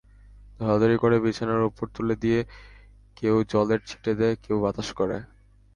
ধরাধরি করে বিছানার উপর তুলে দিয়ে কেউ জলের ছিটে দেয়, কেউ বাতাস করে।